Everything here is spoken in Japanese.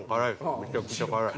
めちゃくちゃ辛い。